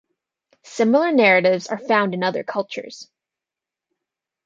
Similar narratives are found in other cultures.